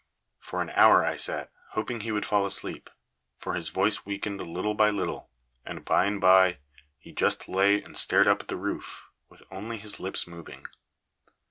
For an hour I sat, hoping he would fall asleep; for his voice weakened little by little, and by and by he just lay and stared up at the roof, with only his lips moving.